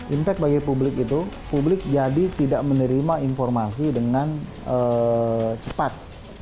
impact bagi publik itu publik jadi tidak menerima informasi dengan cepat